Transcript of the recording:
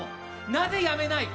なぜやめない？